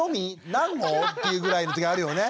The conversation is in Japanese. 何号？っていうぐらいの時あるよね。